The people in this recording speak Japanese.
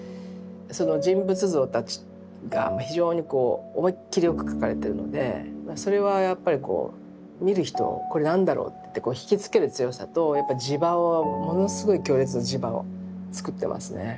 その人物像たちが非常にこう思いっきりよく描かれてるのでそれはやっぱりこう見る人をこれ何だろうって引き付ける強さとやっぱり磁場をものすごい強烈な磁場をつくってますね。